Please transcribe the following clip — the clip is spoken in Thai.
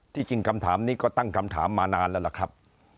จริงคำถามนี้ก็ตั้งคำถามมานานแล้วล่ะครับ